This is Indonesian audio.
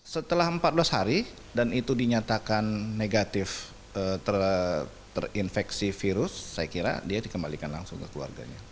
setelah empat belas hari dan itu dinyatakan negatif terinfeksi virus saya kira dia dikembalikan langsung ke keluarganya